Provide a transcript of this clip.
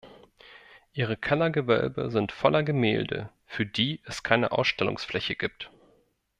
Ihre Kellergewölbe sind voller Gemälde, für die es keine Ausstellungsfläche gibt.